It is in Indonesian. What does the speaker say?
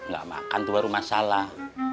gak makan tuh baru masalah